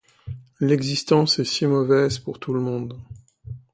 L'existence est si mauvaise pour tout le monde.